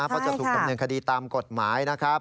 เพราะจะถูกดำเนินคดีตามกฎหมายนะครับ